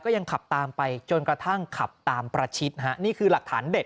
ยังขับตามไปจนกระทั่งขับตามประชิดฮะนี่คือหลักฐานเด็ด